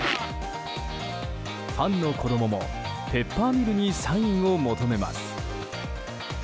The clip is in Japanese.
ファンの子供もペッパーミルにサインを求めます。